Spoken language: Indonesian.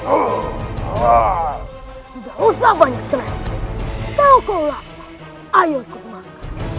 udah usah banyak ceraikan kau kalau lapar ayo ikut makan